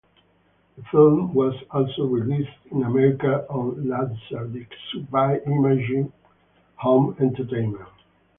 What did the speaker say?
The film was also released in America on Laserdisc by Image Home Entertainment.